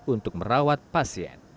untuk merawat pasien